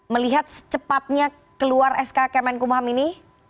melihat secepatnya keluar sk kemenkumham ini